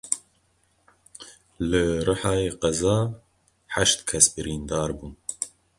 Li Rihayê qeza heşt kes birîndar bûn.